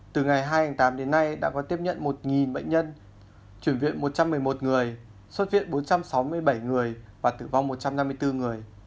từ ngày hai tháng tám đến nay đã có tiếp nhận một bệnh nhân chuyển viện một trăm một mươi một người xuất viện bốn trăm sáu mươi bảy người và tử vong một trăm năm mươi bốn người